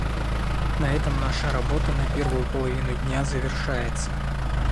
На этом наша работа на первую половину дня завершается.